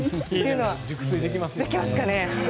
熟睡、できますかね。